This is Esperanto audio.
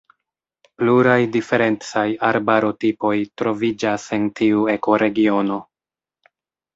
Pluraj diferencaj arbaro-tipoj troviĝas en tiu ekoregiono.